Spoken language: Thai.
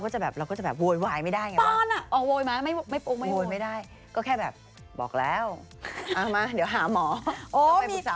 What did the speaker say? ใช่นุ้ยก็เลยอ่าน